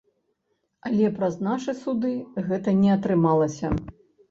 Але праз нашы суды гэта не атрымалася.